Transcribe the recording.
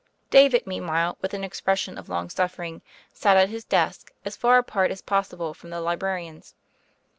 David, meanwhile, with an expression of long suffering, sat at his desk, as far apart as possible from the librarians.